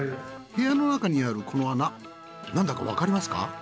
部屋の中にあるこの穴なんだかわかりますか？